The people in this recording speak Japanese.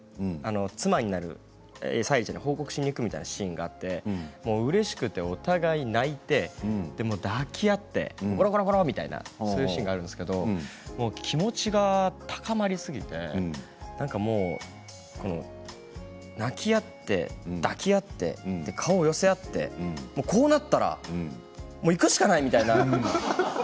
妻になる沙莉ちゃんに報告しに行くというシーンがあって、うれしくて、お互い泣いて抱き合ってゴロゴロみたいなそういうシーンがあるんですけど気持ちが高まりすぎて泣き合って抱き合って顔を寄せ合って、こうなったらもういくしかない！みたいな。